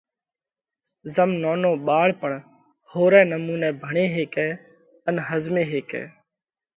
زم نونو ٻاۯ پڻ ۿورئہ نمُونئہ ڀڻي هيڪئہ ان ۿزمي هيڪئہ۔